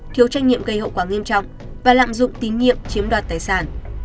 thiếu trách nhiệm gây hậu quả nghiêm trọng và lạm dụng tín nhiệm chiếm đoạt tài sản